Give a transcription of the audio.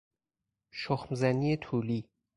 شخم زنی طولی